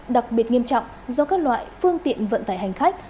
đặc biệt nghiêm trọng do các loại phương tiện vận tải hành khách